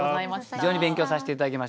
非常に勉強させて頂きました。